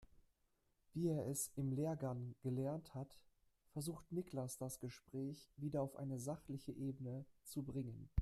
Wie er es im Lehrgang gelernt hat, versucht Niklas das Gespräch wieder auf eine sachliche Ebene zu bringen.